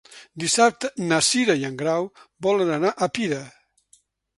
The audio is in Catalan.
Dissabte na Cira i en Grau volen anar a Pira.